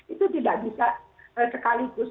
itu tidak bisa sekaligus